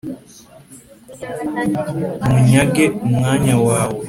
nkunyage umwanya wawe.